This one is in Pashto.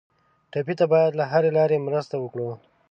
ټپي ته باید له هرې لارې مرسته وکړو.